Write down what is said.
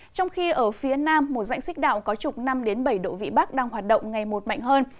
trong khi ở phía nam một dãnh xích đạo có trục năm bảy độ vị bắc đang hoạt động ngày một mạnh hơn